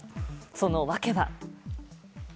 その訳は。